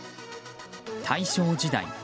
大正時代